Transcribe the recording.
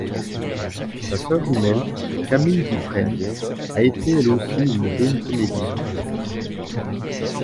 Sa sœur jumelle, Camille Du Fresne, a été elle aussi une jeune comédienne.